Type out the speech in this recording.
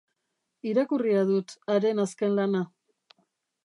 Irakurria dut haren azken lana.